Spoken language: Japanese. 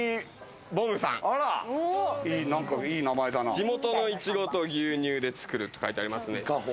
地元のいちごと牛乳でつくると書いてありますね。